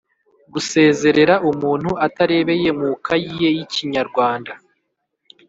gusezera umuntu atarebeye mu kayi ye y‘ikinyarwanda,